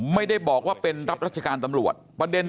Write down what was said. ไม่ได้บอกว่าเป็นรับรัชการตำรวจประเด็น